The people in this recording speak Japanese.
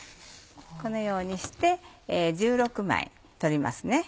このようにして１６枚取ります。